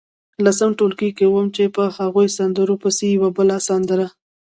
لسم ټولګي کې وم چې په هغو سندرو پسې یوه بله سندره.